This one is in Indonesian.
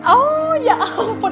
oh ya apa pun